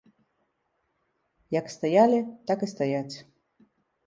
Як стаялі, так і стаяць.